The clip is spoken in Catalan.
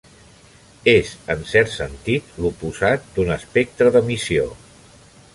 És, en cert sentit, l'oposat d'un espectre d'emissió.